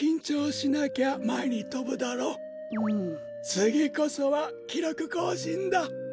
つぎこそはきろくこうしんだ。